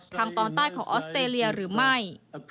ทางตอนใต้ของออสเตรเลียหรือไม่